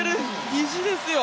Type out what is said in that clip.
意地ですよ！